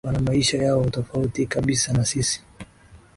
wana maisha yao tofauti kabisa na sisi